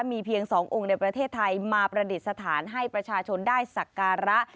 มีเพียง๒องค์ในประเทศไทยมาประดิษฐานให้ประชาชนได้สักการะ